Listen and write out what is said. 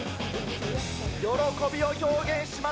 喜びを表現します。